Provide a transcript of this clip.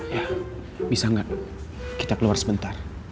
ya bisa nggak kita keluar sebentar